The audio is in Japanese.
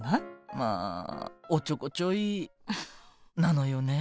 まあおっちょこちょいなのよね人って。